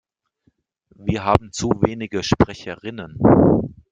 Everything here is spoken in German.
Wir haben zu wenige Sprecherinnen.